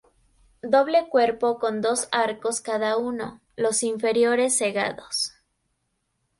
Doble cuerpo con dos arcos cada uno, los inferiores cegados.